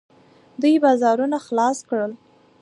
دوی بازارونه خلاص کړل.